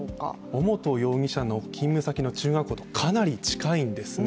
尾本容疑者の勤務先の中学校とかなり近いんですね。